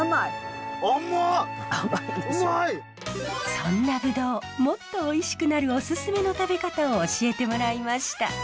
そんなブドウもっとおいしくなるオススメの食べ方を教えてもらいました。